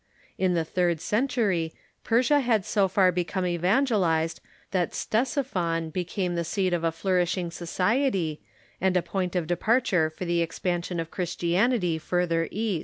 In the third century, Persia had so far become evangelized that Ctes iphon became the seat of a flourishing society, and a point of departure for the expansion of Christianity farther east.